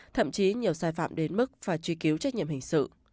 thậm chí nhiều sai phạm đến mức phải truy cứu trách nhiệm hình sự